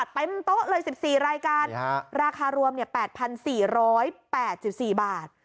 เต็มโต๊ะเลย๑๔รายการราคารวม๘๔๐๘๔บาท